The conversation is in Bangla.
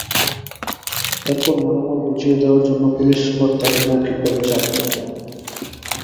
এরপর মালামাল বুঝিয়ে দেওয়ার জন্য পুলিশ সুপার তাঁকে মৌখিকভাবে চাপ দেন।